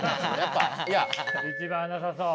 一番なさそう？